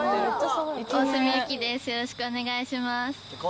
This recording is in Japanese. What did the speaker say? よろしくお願いします。